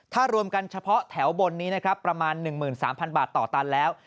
ถ้ารวมกันเฉพาะแถวบนนี้นะครับประมาณ๑๓๐๐บาทต่อตันแล้ว